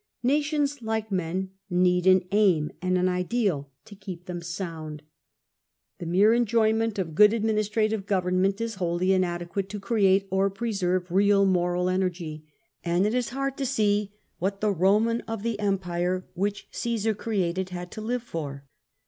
Nations, like men, need an aim and an ideal to keep them sound. The mere enjoyment THE ROMAN EMPIRE 337 of good administrative government is wholly inadequate to create or preserve real moral energy. And it is hard to see what the Roman of the empire which Caesar created had to live for.